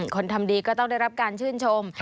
คนทำดีก็ต้องได้รับการชื่นชม